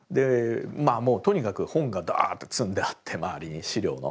とにかく本がダーッて積んであって周りに資料の。